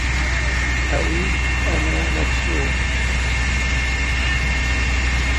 ⴰⵡⵉ ⴷ ⴰⵎⴰⵏ ⴰⴷ ⵙⵓⵖ.